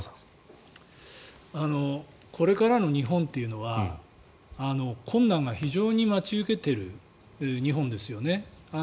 これからの日本というのは困難が非常に待ち受けている日本ですよね。